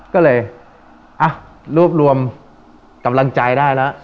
ก็เลยอ่ะรวบรวมกำลังใจได้แล้ว